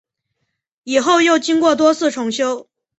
以后又经过多次重修。